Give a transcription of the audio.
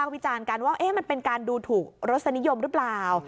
ว่ามันเป็นการดูถูกรสนิยมหรือเปล่า